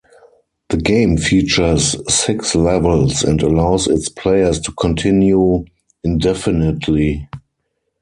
The game features six levels and allows its players to continue indefinitely.